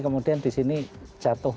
kemudian di sini jatuh